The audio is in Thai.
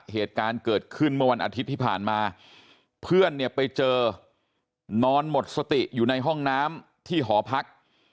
เหตุการณ์เกิดขึ้นเมื่อวันอาทิตย์ที่ผ่านมาเพื่อนเนี่ยไปเจอนอนหมดสติอยู่ในห้องน้ำที่หอพัก